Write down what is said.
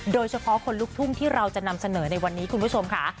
โดยเฉพาะคนลุกทุ่งที่เราจะนำเสนอในวันนี้คุณผู้ชมค่ะ